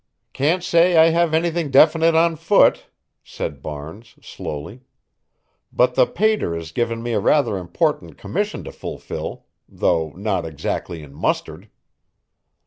"Can't say I have anything definite on foot," said Barnes slowly, "but the pater has given me a rather important commission to fulfil, though not exactly in mustard."